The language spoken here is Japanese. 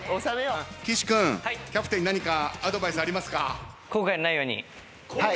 岸君キャプテンに何かアドバイスありますか？